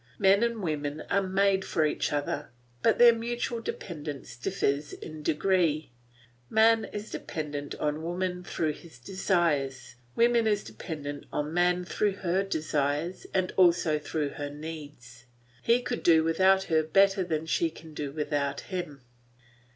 Men and women are made for each other, but their mutual dependence differs in degree; man is dependent on woman through his desires; woman is dependent on man through her desires and also through her needs; he could do without her better than she can do without him.